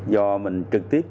do mình trực tiếp